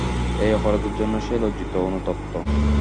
এই অপরাধের জন্যে সে লজ্জিত, অনুতপ্ত।